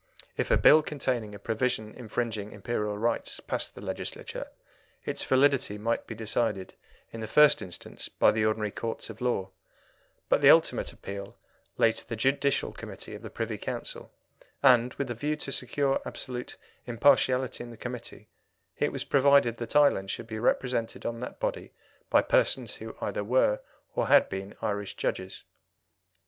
If a Bill containing a provision infringing Imperial rights passed the Legislature, its validity might be decided in the first instance by the ordinary courts of law, but the ultimate appeal lay to the Judicial Committee of the Privy Council, and, with a view to secure absolute impartiality in the Committee, it was provided that Ireland should be represented on that body by persons who either were or had been Irish judges.